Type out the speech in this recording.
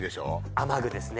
雨具ですね